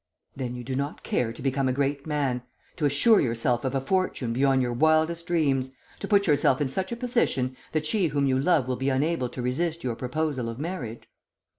"'Then you do not care to become a great man, to assure yourself of a fortune beyond your wildest dreams, to put yourself in such a position that she whom you love will be unable to resist your proposal of marriage?'